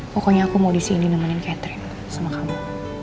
pokoknya aku mau disini nemenin catherine sama kamu